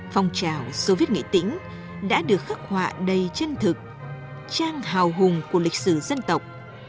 phong trào soviet nghệ tĩnh đã được khắc họa đầy chân thực trang hào hùng của lịch sử dân tộc